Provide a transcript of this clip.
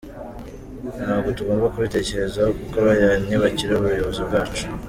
Ntabwo tugomba kubitekerezaho kuko bariya ntibakiri abayobozi bacu.